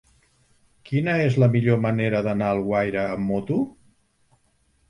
Quina és la millor manera d'anar a Alguaire amb moto?